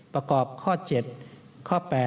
ประกอบข้อ๗ข้อ๘